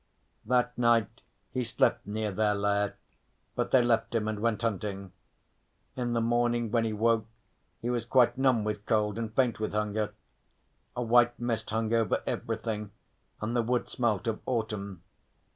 That night he slept near their lair, but they left him and went hunting. In the morning when he woke he was quite numb with cold, and faint with hunger. A white mist hung over everything and the wood smelt of autumn.